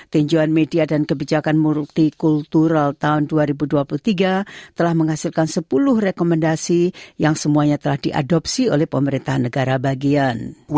tinjauan media dan kebijakan murukti kultural tahun dua ribu dua puluh tiga telah menghasilkan sepuluh rekomendasi yang semuanya telah diadopsi oleh pemerintah negara bagian